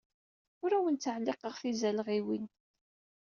Ur awen-ttɛelliqeɣ tizalɣiwin.